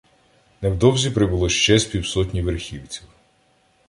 Невдовзі прибуло ще з півсотні верхівців.